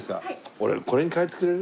俺これに変えてくれる？